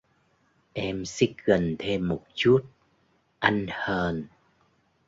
Em xích gần thêm một chút, anh hờn